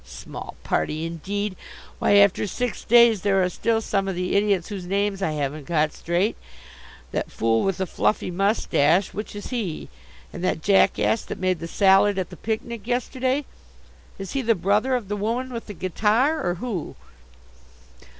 Small party, indeed! Why, after six days there are still some of the idiots whose names I haven't got straight! That fool with the fluffy moustache, which is he? And that jackass that made the salad at the picnic yesterday, is he the brother of the woman with the guitar, or who?